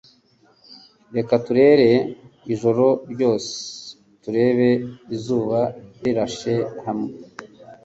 Reka turare ijoro ryose turebe izuba rirashe hamwe.